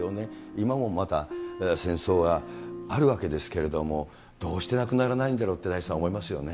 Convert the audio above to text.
今もまだ戦争があるわけですけれども、どうしてなくならないんだろうって、大地さん、思いますよね。